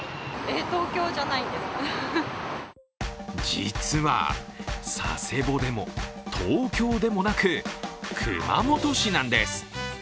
実は佐世保でも東京でもなく、熊本市なんです。